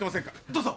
どうぞ！